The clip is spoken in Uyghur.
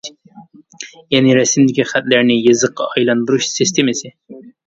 يەنى رەسىمدىكى خەتلەرنى يېزىققا ئايلاندۇرۇش سىستېمىسى.